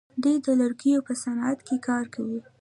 دوی د لرګیو په صنعت کې کار کوي.